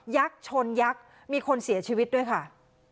ชนยักษ์มีคนเสียชีวิตด้วยค่ะ